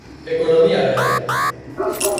Economía agraria.